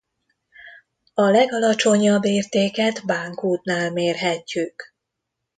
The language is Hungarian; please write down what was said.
A legalacsonyabb értéket Bánkútnál mérhetjük.